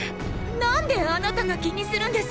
何であなたが気にするんです